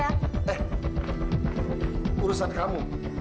eh urusan kamu